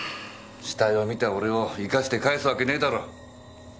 死体を見た俺を生かして帰すわけねえだろ。